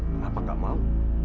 kenapa gak mau